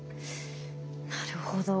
なるほど。